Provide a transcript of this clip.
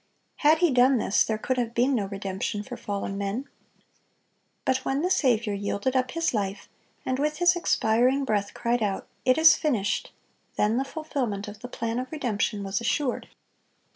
Had He done this, there could have been no redemption for fallen men. But when the Saviour yielded up His life, and with His expiring breath cried out, "It is finished," then the fulfilment of the plan of redemption was assured.